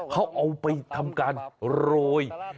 เขาเอาไปทำการโรย